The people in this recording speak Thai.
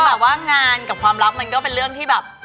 แต่ว่างานกับความรักมันก็เป็นเรื่องที่แบบ